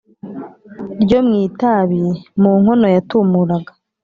ryomwitabi munkono yatumuraga